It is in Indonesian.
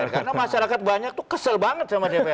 karena masyarakat banyak tuh kesel banget sama dpr